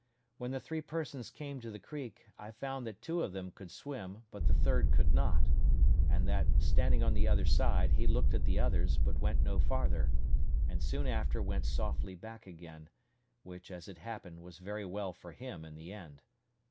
When the three persons came to the creek, I found that two of them could swim, but the third could not, and that, standing on the other side, he looked at the others, but went no farther, and soon after went softly back again; which, as it happened, was very well for him in the end.